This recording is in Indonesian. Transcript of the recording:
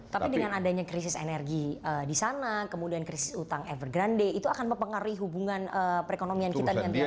tapi dengan adanya krisis energi di sana kemudian krisis utang evergrande itu akan mempengaruhi hubungan perekonomian kita dengan tiongkok